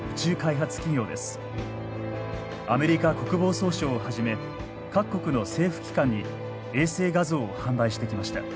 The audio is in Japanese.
アメリカ国防総省をはじめ各国の政府機関に衛星画像を販売してきました。